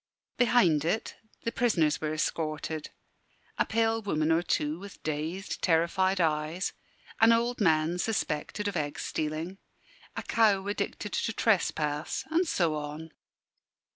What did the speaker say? Behind it the prisoners were escorted a pale woman or two with dazed, terrified eyes, an old man suspected of egg stealing, a cow addicted to trespass, and so on.